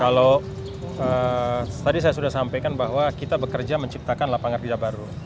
kalau tadi saya sudah sampaikan bahwa kita bekerja menciptakan lapangan kerja baru